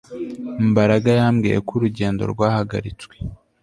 Mbaraga yambwiye ko urugendo rwahagaritswe